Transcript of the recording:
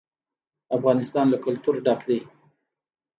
افغانستان له کلتور ډک دی.